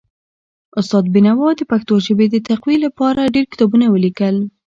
استاد بینوا د پښتو ژبې د تقويي لپاره ډېر کتابونه ولیکل.